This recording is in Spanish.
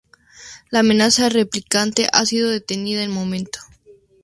La amenaza Replicante ha sido detenida de momento.